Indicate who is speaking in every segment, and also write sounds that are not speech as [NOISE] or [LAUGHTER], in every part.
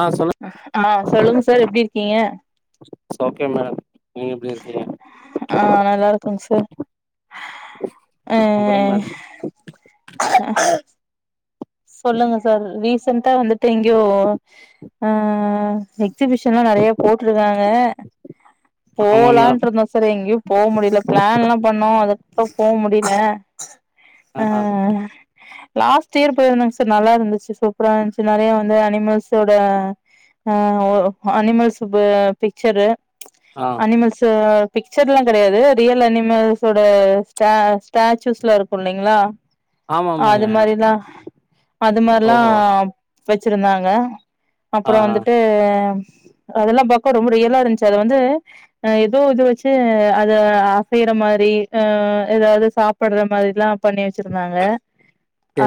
Speaker 1: ஆ
Speaker 2: ஆ சொல்லுங்க சார் எப்டி இருக்கீங்க
Speaker 1: ஸ் ஓகே மேடம் நீங்க எப்டி இருக்கீங்க
Speaker 2: ஆ நல்லா இருக்கோங் சார் அ
Speaker 1: அப்புறம் மேடம்
Speaker 2: சொல்லுங்க சார் ரீசன்டா வந்துட்டு எங்கயோ ஆ எக்ஸிபிஷன்லா நறையா போட்டுருக்காங்க
Speaker 1: ஆமா மேடம்
Speaker 2: போலான்ட் இருந்தோ சரி எங்கயு போக முடியல பிளான் எல்லா பண்ணோ அதுக்கப்றோ போக முடியல அ
Speaker 1: ஆஹா
Speaker 2: லாஸ்ட் இயர் போனோங் சார் நல்லா இருந்துச்சு சூப்பரா இருந்துச்சு நிறைய வந்து அனிமல்ஸோட ஆ அனிமல்ஸ் ப பிக்சரு ம்ச்
Speaker 1: ஆ
Speaker 2: அனிமல்ஸ் பிக்சர்லா கிடையாது ரியல் அனிமல்ஸோட ஸ்டார்ஸ் ஸ்டாச்சூஸ்ல இருக்கு இல்லைங்களா
Speaker 1: ஆமா ஆமாங்க
Speaker 2: அது மாரிதா அது மாதிரிலா
Speaker 1: ஓஹோ
Speaker 2: வெச்சிருந்தாங்க அப்புறோ
Speaker 1: ஆஹா
Speaker 2: வந்துட்டு அதெல்லா பாக்க ரொம்ப ரியலா இருந்துச்சு அது வந்து ஏதோ இது வச்சு அத அசைற மாரி ஆ ஏதாவது சா ப்படுற மாரி எல்லா பண்ணி வச்சிருந்தாங்க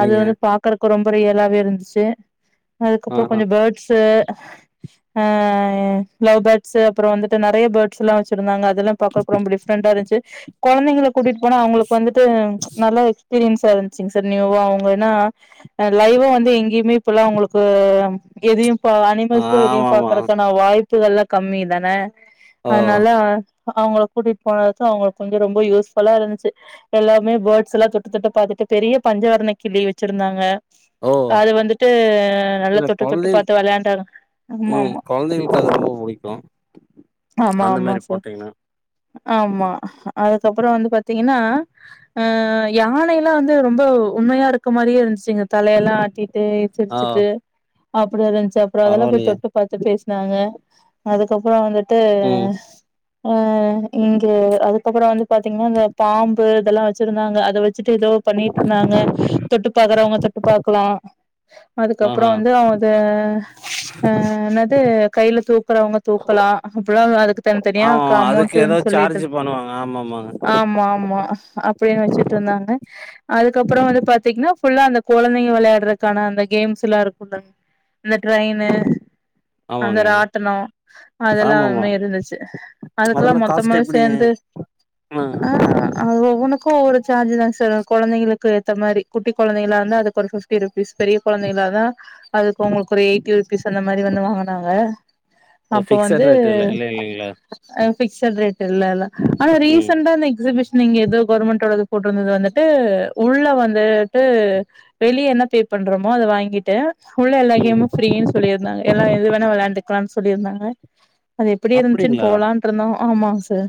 Speaker 2: அது வந்து பாக்குறக்கு ரொம்ப ரியலாவே இருந்துச்சு அதுக்கப்புறோ
Speaker 1: ஆஹா
Speaker 2: கொஞ்சோ பேர்ட்ஸு ஆ லவ் பேர்ட்ஸ்ஸு அப்புறோ வந்துட்டு நிறைய பேர்ட்ஸ் எல்லா வச்சிருந்தாங்க இதெல்லா பாக்குறப்ப ரொம்ப டிரெண்டா இருந்துச்சு குழந்தைங்க கூட்டிட்டு போனா அவங்களுக்கு வந்துட்டு ம்ச் நல்ல பீலிங்சா இருந்துச்சுங் சார் நியூ வா அவங்கன்னா லைவா வந்து எங்கேயுமே இப்பல்லா உங்களுக்கு எதையு இ அனிமல்ஸ்ல இதையு
Speaker 1: ஆமாமா
Speaker 2: பாக்குறக்கான வாய்ப்புகள் எல்லா கம்மி தானே
Speaker 1: ஓ
Speaker 2: அதனால ஆனா அவங்கள கூட்டிட்டு போனதும் அவங்களுக்கு கொஞ்சோ ரொம்ப யூஸ் ஃபுல்லா இருந்துச்சு எல்லாமே பேர்ட்ஸ் எல்லா தொட்டு தொட்டு பாத்துட்டு பெரிய பஞ்சவரண கிளி வச்சிருந்தாங்க
Speaker 1: ஓ
Speaker 2: அது வந்துட்டு நல்ல
Speaker 1: இல்ல
Speaker 2: தொட்டு தொட்டு
Speaker 1: கொழந்தைகள்
Speaker 2: பாத்து விளையாண்டாங்க ஆமா
Speaker 1: ம் கொழந்தைகளுக்கு அது
Speaker 2: ஆமா
Speaker 1: ரொம்ப புடிக்கு
Speaker 2: ஆமா
Speaker 1: அந்த
Speaker 2: ஆமா
Speaker 1: மாரி
Speaker 2: சார்
Speaker 1: போட்டீங்கன்னா
Speaker 2: ஆமா அதுக்கப்புறோ வந்து பாத்தீங்கன்னா ஆ யானை எல்லா வந்து ரொம்ப உண்மயா இருக் கு மாதிரியே இருந்துச்சுங்க தலையெல்லா ஆட்டிட்டு
Speaker 1: ஆ
Speaker 2: சிரிச்சுட்டு அப்டி இருந்துச்சு அப்புறோ அதெல்லா போய்
Speaker 1: பரவாயில்லையே
Speaker 2: தொட்டு பாத்து பேசினாங்க அதுக்கப்புறோ வந்துட்டு
Speaker 1: ம்
Speaker 2: அ இங்க அதுக்கப்புறோ வந்து பாத்தீங்கன்னா இந்த பாம்பு இதெல்லா வச்சிருந்தாங்க அத வச் சட்டு ஏதோ பண்ணிட்டு இருந்தாங்க தொட்டு பாக்குறவங்க தொட்டு பாக்கலா அதுக்கு அப்புறோ
Speaker 1: ஆஹா
Speaker 2: வந்து அவது ஆ என்னது கையில தூக்குறவங்க தூக்கலா அப்படல்லா அதுக்கு தனித்தனியா
Speaker 1: ஆமா அதுக்கு
Speaker 2: அமௌண்ட்ன்னு
Speaker 1: ஏதாவது
Speaker 2: சொல்லிட்டு
Speaker 1: சார்ஜ் பண்ணுவாங்க ஆமா ஆமாங்க
Speaker 2: ஆமா ஆமா அப்டின்னு வச்சுட்டு இருந்தாங்க அதுக்கப்புறோ வந்து பா த்திங்கன்னா ஃபுல்லா அந்த குழந்தைங்க விளையாடுறக்கான அந்த கேம்ஸ் எல்லா இருக்குங்க அந்த ட்ரெயின்னு அந்த
Speaker 1: ஆமாங்க
Speaker 2: ராட்டனோ அதெல்லா
Speaker 1: ஆமாமா
Speaker 2: வந்து இருந்துச்சு அதுக்கெல்லா
Speaker 1: அதெல்லா
Speaker 2: மொத்தமா
Speaker 1: காஸ்ட் எப்டிங்க
Speaker 2: சேந்து ஆ அது ஒவ்வொனுக்கும் ஒவ்வொரு சார்ஜ் தான் சார் குழந்தைங்களுக்கு ஏத்த மாரி குட்டி குழந்தைகளா இருந்தா அதுக்கு ஒரு ஃபிப்டி ருபீஸ் பெரிய குழந்தைகளா இருந்தா அதுக்கு உங்களுக்கு ஒரு எயிட்டி ருபீஸ் அந்த மாதிரி வந்து வாங்கனாங்க
Speaker 1: ஓ
Speaker 2: அப்போ வந்து
Speaker 1: ஃபிக்சட் ரேட் இல்ல இல்ல இல்லைங்களா
Speaker 2: ஆ
Speaker 1: ம்
Speaker 2: பிஸ்சேட் ரேட் இல்ல இல்ல ஆனா
Speaker 1: ம்
Speaker 2: ரீசென்டாந்த எக்ஸிபிஷன் நீங்க எதோ கவர்மெண்டோட போட்டிருந்தது வந்துட்டு உள்ள வந்து வட்டு வெளியே என்ன பே பண்றோமோ அத வாங்கிட்டு உள்ள எல்லா
Speaker 1: ம்.
Speaker 2: கேமும் ஃப்ரீனு சொல்லியிருந்தாங்க எல்லா எது வேணா விளையாண்டுக்கலாம்னு சொல்லியிருந்தாங்க அது எப்டி இருந்துச்சுன்னு
Speaker 1: அப்படிங்களா
Speaker 2: போலான் இருந்தோம் ஆமாங் சார்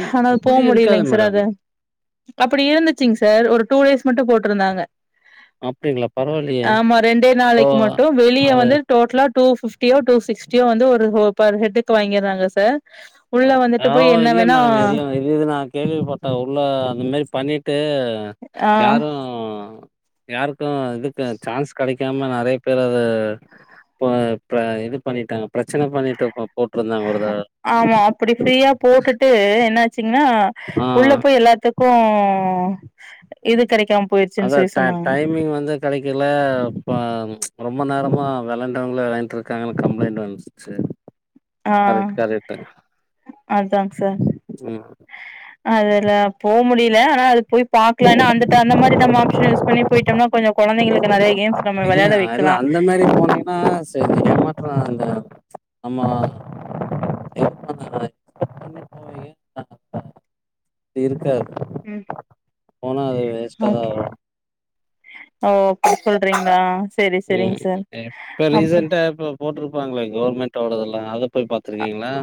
Speaker 1: ஏ
Speaker 2: ஆனா போக
Speaker 1: அப்படி இருக்காது
Speaker 2: முடியலைங்க சார்
Speaker 1: மேடம்.
Speaker 2: அது அப்டி இருந்துச்சிங் சார் ஒரு டூ டேஸ் மட்டு போட்டிருந்தாங்க
Speaker 1: அப்படிங்களா பரவாயில்லையே.
Speaker 2: ஆமா ரெண்டே
Speaker 1: ஓ
Speaker 2: நாளைக்கு மட்டு வெளிய
Speaker 1: அது
Speaker 2: வந்து டோட்டலா டூ ஃபிப்டியோ டூ சிக்ஸ்டியோ வந்து ஒரு ஹோ பர் ஹெட்டுக்கு வாங்கிற்றாங்க சார் உள்ள
Speaker 1: ஆ
Speaker 2: வந்துட்டு
Speaker 1: ஓ
Speaker 2: போய் என்ன
Speaker 1: இல்ல
Speaker 2: வேணா
Speaker 1: மேடம். இல்ல இது இது நா கேள்விப்பட்ட ஊர்ல அந்த மாரி பண்ணிட்டு
Speaker 2: ஆ
Speaker 1: யாரு யாருக்கு இதுக்கு சான்ஸ் கெடைக்காம நெறைய பேர் அது இப்ப இப்ப இது பண்ணிட்டாங்க பிரச்சன பண்ணிட்டு இப்ப போட்ருந்தாங்க ஒருதடவ
Speaker 2: ஆமா அப்புடி ஃப்ரீயா போட்டுட்டு என்னாச்சுங்னா
Speaker 1: ஆ
Speaker 2: உள்ள போய் எல்லாத்து க்கு இது கெடைக்காம போயிருச்சுன்னு
Speaker 1: அதா
Speaker 2: சொல்லி
Speaker 1: த
Speaker 2: சொன்னாங்க
Speaker 1: டைமிங் வந்து கெடைக்கல ப ரொம்ப நேரமா வெளாண்டவங்களே வெளாண்ட்ருக்காங்கன் கம்ப்ளைண்ட் வன்ச்சு சர்
Speaker 2: ஆ அதாங் சார்
Speaker 1: ம்.
Speaker 2: அதுல போக முடில ஆனா அது போய் பாக்கலான்னு அந்த அந்த மாரி நம்ம ஆப்ஷன் யூஸ் பண்ணி போயிட்டம்னா கொஞ்ச கொழந்தைங்களுக்கு நெறைய கேம்ஸ் நம்ம விளையாட வைக்கலா
Speaker 1: ஆ சரி ஏமாற்ற அந்த நம்ம [INAUDIBLE] கெளம்பி போயி [INAUDIBLE] அப்டி இருக்காது
Speaker 2: ம்
Speaker 1: போனா அது வேஸ்டா தா
Speaker 2: ஓகே
Speaker 1: ஆகு
Speaker 2: ஓ அப்டி சொல்றீங்களா செரி
Speaker 1: ம்
Speaker 2: செரிங்க சார்
Speaker 1: இப்ப
Speaker 2: அப்ப
Speaker 1: ரீசன்டா இப்ப போட்ருப்பாங்களே கவர்மண்ட்டோடதல்லா அத போய் பாத்துருக்கீங்களா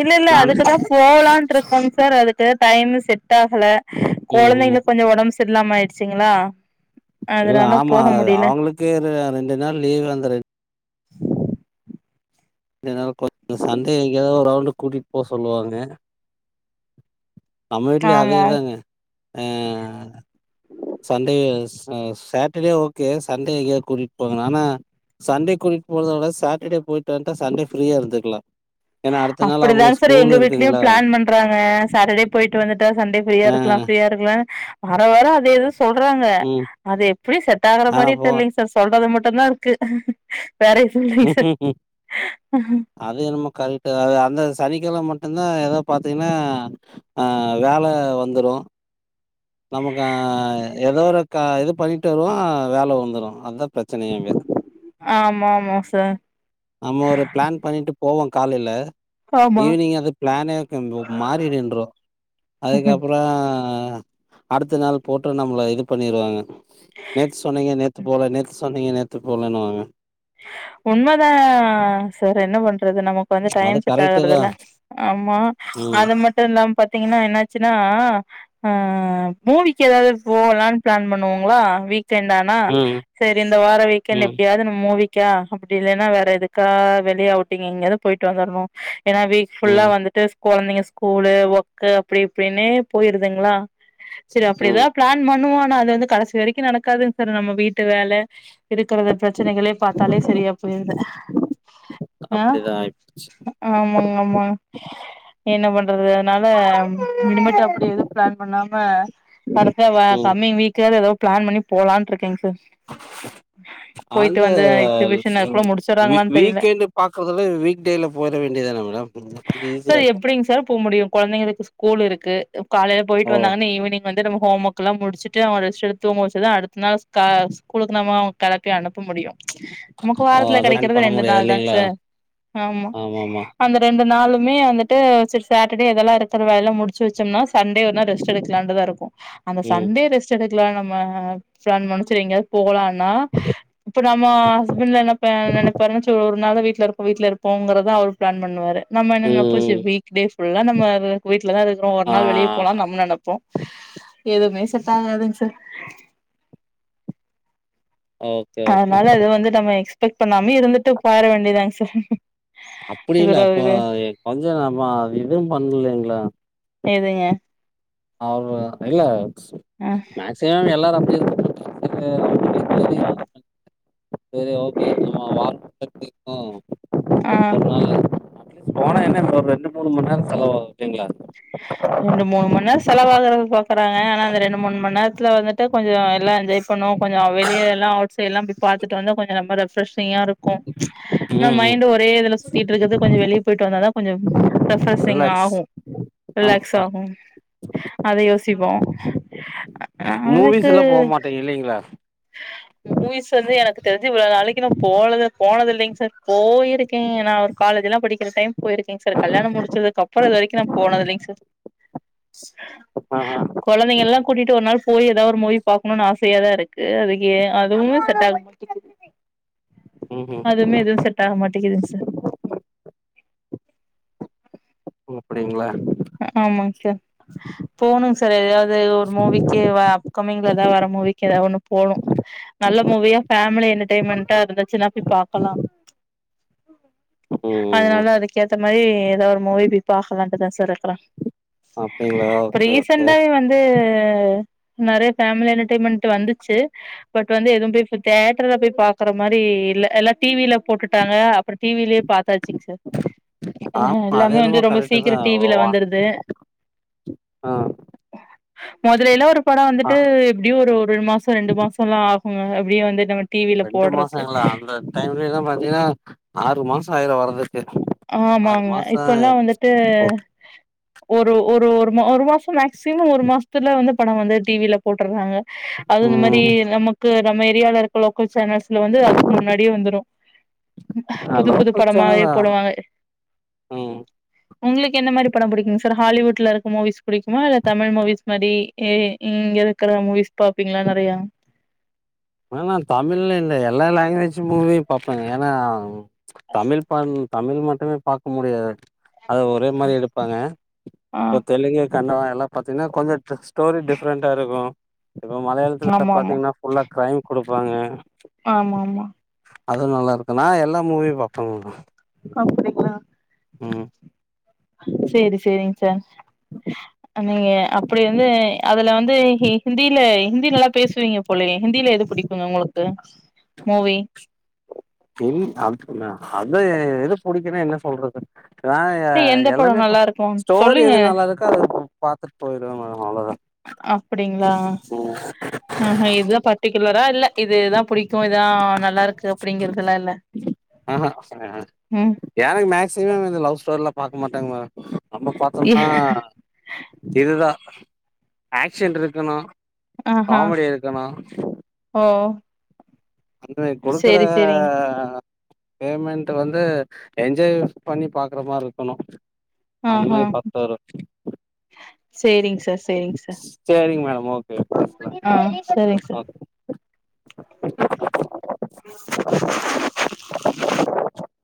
Speaker 2: இல்லல்ல
Speaker 1: நான்
Speaker 2: அதுக்குதா போகலான்ட்ருக்கோங் சார் அதுக்கு டைம்மு செட் ஆகல
Speaker 1: ம்ஹ்ம்.
Speaker 2: கொழந்தைங்களுக்கு கொஞ்சோ ஒடம்பு சரியில்லாம ஆயிடுச்சுங்களா அதுனால போக முடில
Speaker 1: க்கு அந்த ரெண்டு நாள் லீ்வு அந்த ரெண் டு நாள் கொஞ்சோ சண்டே எங்கேயாவது ஒரு ரவுண்டு கூட்டிட் போக சொல்லுவாங்க நம்ம வீட்லயே
Speaker 2: ஆமா
Speaker 1: அதேதாங்க ஆ சண்டே ச சாட்டடே ஓகே சண்டே எங்கயாவது கூட்டிட்டு போகனு ஆனா சண்டே கூட்டுட் போறத விட சாட்டடே போயிட்டு வன்டா சண்டே ஃப்ரீயா இருந்துக்கலா
Speaker 2: அப்டிதாங் சார் எங்க வீட்லயு
Speaker 1: இருக்குங்களா
Speaker 2: பிளான் பண்றாங்க சாட்டடே போயிட்டு வந்துட்டா சண்டே ஃப்ரீயா
Speaker 1: ஆ
Speaker 2: இருக்கலா ஃப்ரீயா இருக்கலானு வார வார அதேதா சொல்றாங்க
Speaker 1: ம்
Speaker 2: அது எப்டி செட் ஆகுற
Speaker 1: ஆனா
Speaker 2: மாரியே
Speaker 1: போ
Speaker 2: தெர்லைங் சார் சொல்றது மட்டுந்தான் இருக்கு வேற எது இல்லீங் சார்
Speaker 1: ம்ஹ்ஹ்ம். அது என்னமோ கரெக்ட்டுதா அது அந்த சனிக்கெழம மட்டுந்தா எதோ பாத்தீங்கன்னா அ வேல வந்துரு நமக்கு எதோ க ஒரு இது பண்ணிட்டு வருவோ வேல வந்துரு அதா பிரச்சனயே அங்க
Speaker 2: ஆமா ஆமா சார்
Speaker 1: நம்ம ஒரு பிளான் பண்ணிட்டு போவோ காலேல
Speaker 2: ஆமா
Speaker 1: ஈவினிங் அது பிளானே இருக்கும்போ மாரி நின்று
Speaker 2: ம்
Speaker 1: அதுக்கப்பறோ அடுத்த நாள் போட்டு நம்மள இது பண்ணிருவாங்க நேத்து சொன்னீங்க நேத்து போல நேத்து சொன்னீங்க நேத்து போலன்னுவாங்க
Speaker 2: உண்மதாங் சார் என்ன பண்றது நம க்கு வந்து
Speaker 1: அது
Speaker 2: டைம் செட்
Speaker 1: கரெக்ட்
Speaker 2: ஆகறதுல்ல
Speaker 1: தான்
Speaker 2: ஆமா
Speaker 1: ம்
Speaker 2: அது மட் ட்டு இல்லாம பாத்தீங்கன்னா என்னாச்சுனா ஆ மூவிக்கு ஏதாவது போகலாம்னு பிளான் பண்ணுவோங்களா வீக்கெண்டா ஆனா
Speaker 1: ம்
Speaker 2: சரி இந்த வார வீக்கெண்ட்
Speaker 1: ம்
Speaker 2: எப்டியாவது நம்ம மூவி க்கா அப்டி இல்லேனா வேற எதுக்கா வெளிய அவுட்டிங் எங்கயாவது போயிட்டு வந்தர்ணு ஏனா வீக் ஃபுல்லா
Speaker 1: ம்.
Speaker 2: வந்துட்டு கொழந்தைங்க ஸ்கூலு ஒர்க்கு அப்டி இப்டின்னே போயிருதுங்ளா சேர் அப்படி
Speaker 1: ம்.
Speaker 2: எதாவ் பிளான் பண்ணுவோ அனா அது வந்து கடைசி வரைக் கு நடக்காதுங் சார் நம்ம வீட்டு வேல இருக்கறத பிரச்சனைகளே பாத் தாலே செரியா போயிருது அ
Speaker 1: அப்படிதான் ஆயிப்போச்சு.
Speaker 2: ஆமாங்க ஆமாங்க என்ன பண்றது அதனால இனிமேட்டு அப்படி எது பிளான் பண்ணாம [UNINTELLIGIBLE]
Speaker 1: ம்.
Speaker 2: கம்மிங் வீக் வேற எதோ பிளான் பண்ணி போலான்ருக்கேங் சார் போயிட்டு
Speaker 1: அந்த
Speaker 2: வந்து எக்ஸிபிஷன் அதுக்குள்ள
Speaker 1: [INAUDIBLE] வீ
Speaker 2: முடிச்சர்றாங்களான் தெரில
Speaker 1: வீக் எண்டு பாக்கறதுல வீக்டேல போயிற வேண்டியதான மேடம் கொஞ்சம் ஈஸியா
Speaker 2: சார்
Speaker 1: இருக்கும்ல.
Speaker 2: எப்படிங்க சார் போ முடியு கொழந்தைங்களுக்கு ஸ் கூல் இருக்கு காலைல போயிட்டு
Speaker 1: ஓ!
Speaker 2: வந்தாங்கனு ஈவினிங் வந்து நம்ம ஹோம் ஒர்க் க்குலா முடிச்சிட்டு அவ ரெஸ்ட் எடுத்து தூங்க வெச்சாதா அடுத்த நாள் ஸ்க ஸ்கூலுக்கு நம்ம கெளப்பி அனுப்ப முடியு நமக்கு
Speaker 1: ஓ!
Speaker 2: வாரத்துல
Speaker 1: அத பிளான்
Speaker 2: கெடைக்கறது
Speaker 1: பண்ண
Speaker 2: ரெண்டு
Speaker 1: முடியாது
Speaker 2: நாள் தாங்
Speaker 1: இல்லைங்களா?
Speaker 2: சார் ஆமா
Speaker 1: ஆமாமா.
Speaker 2: அந்த ரெண்டு நாளுமே வந்துட்டு சர் சேட்டர்டே இதல்லா இருக்கற வேளலா முடிச்சு வெச்சம்ன்னா சண்டே ஒருநாள் ரெஸ்ட் எடுக்கலான்ட்டுதா இருக்கு அந்த
Speaker 1: ம்.
Speaker 2: சண்டே ரெஸ்ட் எடுக்கலா நம்ம [UNINTELLIGIBLE] செர் எங்கயாது போலா ன்னா இப்ப நம்ம இப்ப என்ன நெனைப்பாருனா செர் ஒரு நாள் தா வீட்ல இருப்போ வீட்ல இருப்போங்கறதா அவரூ பிளான் பண்ணுவாரு நம்ம என்ன நெனப்போ
Speaker 1: ம்.
Speaker 2: செர் வீக் டேஸ் புல்லா நம்ம வ வீட்டுலதா இருக்கறோ ஒரு
Speaker 1: ஆ.
Speaker 2: நாள் வெளிய போலான் நம்ம நெனப் போ எதுவுமே செட் ஆகாதுங் சார்
Speaker 1: ஓ
Speaker 2: அதனால அத வந்து நம்ம எக்ஸ்பெக்ட் பண்ணாமே இருந்துட்டு போயிர வேண்டிதாங் சார்
Speaker 1: அப்புடி இல்ல
Speaker 2: இதுல
Speaker 1: அப்போ
Speaker 2: இது
Speaker 1: கொஞ்சோ நம்ம இதூ பண்லிங்ளா
Speaker 2: எதுங்க
Speaker 1: அவரு இல்ல
Speaker 2: ம்
Speaker 1: சேம் எல்லாரு அப்படியே [INAUDIBLE] செரி ஓகே நம்ம [INAUDIBLE]
Speaker 2: ஆ
Speaker 1: அ அட்லீஸ் போனா என்ன ஒரு ரெண்டு மூணு மண் நேரோ செலவாகு ஓகேங்களா
Speaker 2: ரெண்டு மூணு மண் நேரோ செலவாகறத பாக்கறாங்க அனா அந்த ரெண்டு மூணு மண் நேரத்துல வந்துட் ட கொஞ்சோ எல்லா என்ஜாய் பண்ணு கொஞ்சோ வெளிய எல்லா அவுட் சைடுலா போயி பாத்துட்டு வந்து கொஞ்சோ ரொம்ப ரெப்ரேஷிங்கா இருக் என்ன
Speaker 1: ம் ம்
Speaker 2: மைண்ட் ஒரே இதுல சுத்திட்ருக்குது கொஞ்ச வெளிய போயிட்டு வந்தாதா கொஞ்சம் ரெப்ரஷிங்
Speaker 1: ரிலாக்ஸ்
Speaker 2: ஆகு ரிலேக்ஸ்
Speaker 1: ஆமாமா
Speaker 2: ஆகு அத யோசிப்போ அ அதுக்கு
Speaker 1: இல்லிங்களா
Speaker 2: ஊய்ஸ் வந்து எனக்கு தெரிஞ்சி இவ்வள நாளைக்கு நா போனது போனதில்லிங் சார் போயிருக்கே அனா அவர் காலேஜ்லா படிக்கற டைம் போயிருக்கேங் சார் கல்யாணம் முடிச்சதுக் அப்பறோ இது வரைக்கு நா போனதில்லிங் சார்
Speaker 1: ஆஆ
Speaker 2: கொழந்தைகள்ளா கூட்டிட்டு ஒரு நாள் போய் எதாவ் ஒரு மூவி பாக்கணுன் ஆசையா தா இருக் க்கு அதுக்கியே அதுவு செட் ஆக மாட்டிகுது
Speaker 1: ம்ஹூம்
Speaker 2: அதுமே எதூ செட் டாக மாட்டிகுதுங் சார்
Speaker 1: ஓ அப்டிங்ளா
Speaker 2: ஆமாங்க சார் போணுங்க சார் எதாவது ஒரு மூவிக்கி வா கம்மிங்லதா வர்ற மூவிக்கி எதா ஒண்ணு போணு நல்ல மூவியா ஃபேமிலி என்டர்டைன்மெண்ட்டா இருந்துச்சின்னா போய் பாக்கலா
Speaker 1: ம்
Speaker 2: அதுனால அதுக்கேத்த மாரி ஏதா ஒரு மூவி போய் பாக்கலான்ட்டு தா சார் போறே
Speaker 1: அப்டிங்களா
Speaker 2: இப்ப
Speaker 1: ஓகே ஓகே
Speaker 2: ரீசன்டாவே வந் து நெறைய ஃபேமிலி என்டர்டயின்மென்ட் வந்துச்சி பட் வந்து எதுவு போய் தேட்டர்ல போய் பாக்குற மாரி இல்ல எல்லா டி வில போட்டுட்டாங்க அப்பறோ டி விலே பாத்தாச்சுங்க சார் அ ஹே
Speaker 1: ஆமா
Speaker 2: எல்லாமே
Speaker 1: அது என்னமோ
Speaker 2: வந்து ரொம்ப
Speaker 1: கரெக்ட்
Speaker 2: சீக்கிர
Speaker 1: தா
Speaker 2: டி வில
Speaker 1: வா
Speaker 2: வந்து ர்து
Speaker 1: ஆ
Speaker 2: மொதலேல்ல ஒரு படோ
Speaker 1: ஆ
Speaker 2: வந்துட்டு எப்டியு ஒரு ரெண்டு மாசோ ரெண்டு மாசல்லா ஆகுங்க அப்டியே வந்து நம்ம டி வில போட்றக்கு
Speaker 1: டைம்ல எல்லா பாத்தீங்கன்னா ஆறு மாசோ ஆயிரு வர்றதுக்கு ஆறு
Speaker 2: ஆமாங்க
Speaker 1: மாசோ
Speaker 2: இப்பல்லா வந்துட்டு
Speaker 1: இப்போ
Speaker 2: ஒரு ஒரு ஒரு மா ஒரு மாசம் மேக்சிமம் ஒரு மாசத்துல வந்து படோ வந்து டி வில போட்டுர்றாங்க அதுவு இந்த மாரி
Speaker 1: ம்
Speaker 2: நமக்கு நம்ம ஏரியால இருக்க லோக்கல் சேனல்ஸ்ல வந்து அதுக்கு முன்னாடியே வந்துரு புது புது
Speaker 1: லோக்கல்
Speaker 2: படமாவே
Speaker 1: சேனலா
Speaker 2: போடுவாங்க
Speaker 1: ம்
Speaker 2: உங்களுக்கு என்ன மாரி படம் புடிக்குங்க சார் ஹாலிவுட்ல இருக்க மூவிஸ் புடிக்குமா இல்ல தமிழ் மூவிஸ் மாரி ஏய் இங்க இருக்குற மூவிஸ் பாப்பீங்ளா நெறையா
Speaker 1: ஆனா நா தமிழ்ன்னு இல்ல எல்லா லாங்குவேஜ் மூவியு பாப்பேங்க ஏன்னா தமிழ் பண் தமிழ் மட்டுமே பாக்க முடியாது அது ஒரே மாரி எடுப்பாங்க
Speaker 2: ஆ
Speaker 1: இப்ப தெலுங்கு கன்னடம் எல்லா பாத்தீங்கன்னா கொஞ்ச ஸ்டோரி டிஃப்ரெண்ட்டா இருக்கு இப்போ மலையாளத்ல
Speaker 2: ஆமா ஆமா
Speaker 1: பாத்தீங்கன்னா ஃபுல்லா டைம் குடுப்பாங்க
Speaker 2: ஆமா ஆமா
Speaker 1: அதுவு நல்லா இருக்கு நா எல்லா மூவியு பாப்பங்க
Speaker 2: அப்டிங்ளா
Speaker 1: ம்
Speaker 2: சேரி சேரிங்க சார் நீங்க அப்டி வந்து அதுல வந்து ஹிந்தில ஹிந்தி நல்லா பேசுவீங்க போலயே ஹிந்தில எது புடிக்குங்க உங்களுக்கு மூவி
Speaker 1: தெரியு அது அத எது புடிக்குன்னா என்ன சொல்றது நா ஏ
Speaker 2: எந்த படம்
Speaker 1: எல்லாமே
Speaker 2: நல்லா
Speaker 1: பாப்
Speaker 2: இருக்கும்
Speaker 1: ஸ்டோரி
Speaker 2: சொல்லுங்க
Speaker 1: எது நல்லா இருக் கோ அத பாத்துட்டு போயிருவே மேம் அவ்ளதா
Speaker 2: அப்டிங்களா ஆஹா இதா பர்ட்டிகுலரா இல்ல இதுதா புடிக் கு இதா நல்லா இருக்கு அப்டிங்கிறதுல்லா இல்ல
Speaker 1: ஆஹ
Speaker 2: ம்
Speaker 1: எனக்கு மேக்சிமம் இந்த லவ் ஸ்டோரில்லா பாக்க மாட்டேங்க மேம் நம்ம பாத்தோம்ன்னா இதுதா ஆக்ஷன் இருக்கணு
Speaker 2: ஆஹா
Speaker 1: காமெடி இருக்கணு
Speaker 2: ஓ
Speaker 1: அந்தே குடுக்குற
Speaker 2: சேரி சேரிங்
Speaker 1: பேமெண்ட் வந்து என்ஜாய் பண்ணி பாக்குற மாரி இருக்கணு அந்த
Speaker 2: ஆஹா
Speaker 1: மாரி பாத்துட்டு வருவ
Speaker 2: சேரிங்க சார் சேரிங்க சார்
Speaker 1: சேரிங்க மேடம் ஓகே பேசலா
Speaker 2: ஆ செரிங்க
Speaker 1: ஆ
Speaker 2: சார்